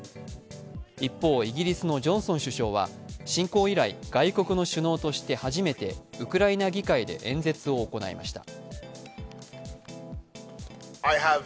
一方、イギリスのジョンソン首相は侵攻以来、外国の首脳として初めてウクライナ議会で演説を行いました。